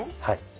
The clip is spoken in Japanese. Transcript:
はい。